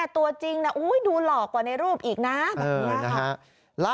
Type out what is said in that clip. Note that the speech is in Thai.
ตัวจริงดูหลอกกว่าในรูปอีกนะ